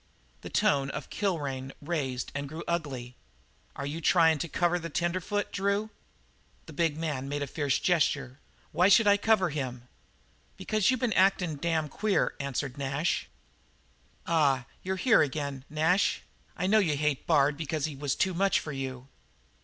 The tone of Kilrain raised and grew ugly. "Are you tryin' to cover the tenderfoot, Drew?" The big man made a fierce gesture. "Why should I cover him?" "Because you been actin' damned queer," answered Nash. "Ah, you're here again, Nash? I know you hate Bard because he was too much for you."